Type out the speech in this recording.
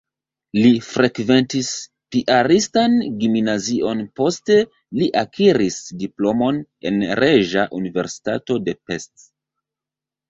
Li frekventis piaristan gimnazion, poste li akiris diplomon en Reĝa Universitato de Pest.